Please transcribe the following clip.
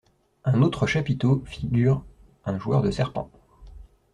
Un autre chapiteau figure un joueur de serpent.